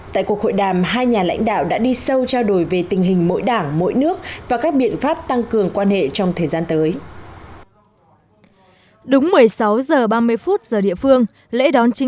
tại cuộc hội đàm hai nhà lãnh đạo đã đi sâu trao đổi về tình hình mỗi đảng mỗi nước và các biện pháp tăng cường quan hệ trong thời gian tới